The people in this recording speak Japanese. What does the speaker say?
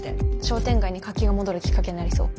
商店街に活気が戻るきっかけになりそう。